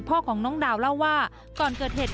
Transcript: พ่อของน้องดาวเล่าว่าก่อนเกิดเหตุ